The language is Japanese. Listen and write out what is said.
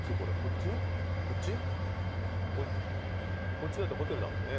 こっちだってホテルだもんね。